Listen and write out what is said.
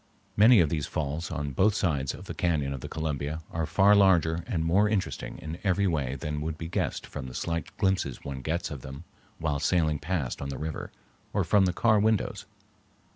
Many of these falls on both sides of the cañon of the Columbia are far larger and more interesting in every way than would be guessed from the slight glimpses one gets of them while sailing past on the river, or from the car windows.